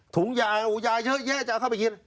ถุงยาวยาเยอะแยะจะเอาเข้าไปกิน